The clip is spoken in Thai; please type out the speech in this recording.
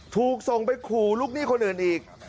ถูกส่งไปขู่ลูกหนี้คนอื่นอีก